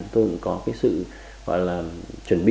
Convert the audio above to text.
tôi cũng có cái sự gọi là chuẩn bị